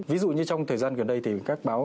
ví dụ như trong thời gian gần đây thì các báo